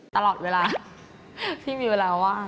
ตลอดเวลาที่มีเวลาว่าง